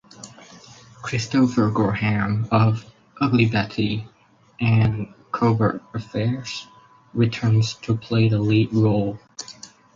Christopher Gorham of "Ugly Betty" and "Covert Affairs" returns to play the lead role.